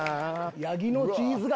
「ヤギのチーズが」